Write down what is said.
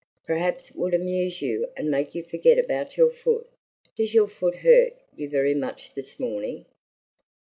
Perhaps it would amuse you and make you forget about your foot. Does your foot hurt you very much this morning?"